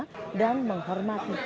yang sangat menghormati agama